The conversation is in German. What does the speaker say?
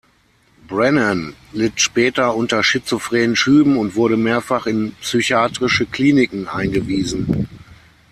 Brennan litt später unter schizophrenen Schüben und wurde mehrfach in psychiatrische Kliniken eingewiesen.